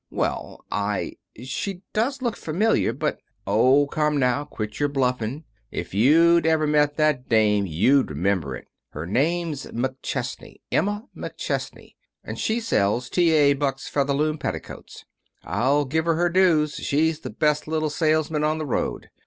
"Well I she does look familiar but " "Oh, come now, quit your bluffing. If you'd ever met that dame you'd remember it. Her name's McChesney Emma McChesney, and she sells T. A. Buck's Featherloom Petticoats. I'll give her her dues; she's the best little salesman on the road.